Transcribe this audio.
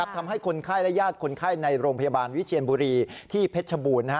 ทำให้คนไข้และญาติคนไข้ในโรงพยาบาลวิเชียนบุรีที่เพชรบูรณ์